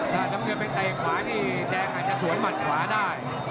ด๊วย๔น้ำเผือไปไต่ขวานี่แดงอาจจะส๋วยหมัดขวาได้